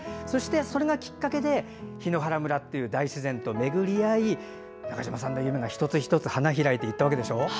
それがきっかけで檜原村というところに巡り合い中島さんの夢に花開いていったわけでしょ。